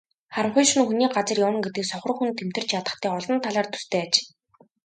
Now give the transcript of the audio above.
Харанхуй шөнө хүний газар явна гэдэг сохор хүн тэмтэрч ядахтай олон талаар төстэй аж.